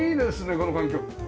この環境。